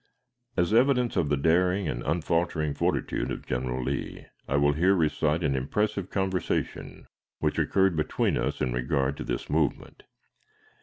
As evidence of the daring and unfaltering fortitude of General Lee, I will here recite an impressive conversation which occurred between us in regard to this movement.